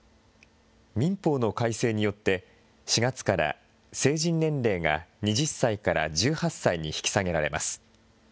民法の改正によって、４月から成人年齢が２０歳から１８歳に引き下げられます。